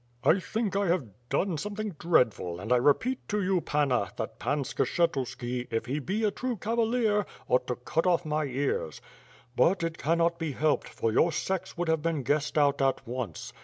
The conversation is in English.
"1 think I have done something dreadful, and I repeat to you, Panna, that Pan Skshetuski, if he be a true cavalier, ought to cut off my ears; but it cannot be helped, for your sex would have been guessed out at once.